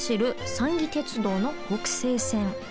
三岐鉄道の北勢線。